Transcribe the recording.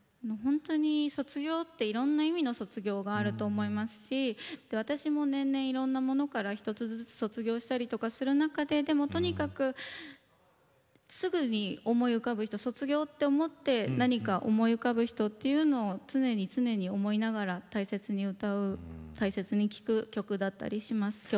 本当に卒業っていろんな意味の卒業があると思いますし私も年々いろんなものから一つずつ卒業したりする中ででもとにかくすぐに思い浮かぶ人卒業って思って何か思い浮かぶ人っていうのを常に常に思いながら大切に歌う大切に聴く曲だったりします。